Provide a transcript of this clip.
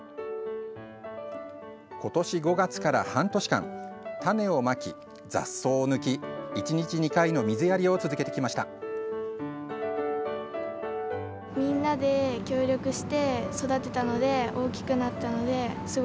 今年５月から半年間種をまき、雑草を抜き１日２回の水やりを続けてきました。